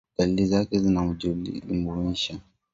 Dalili zake zinajumuisha